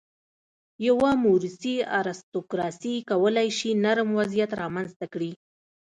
یوه موروثي ارستوکراسي کولای شي نرم وضعیت رامنځته کړي.